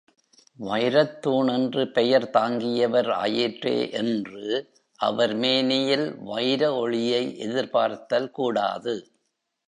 வைரத்தூண் என்று பெயர் தாங்கியவர் ஆயிற்றே என்று அவர் மேனியில் வைர ஒளியை எதிர்பார்த்தல் கூடாது.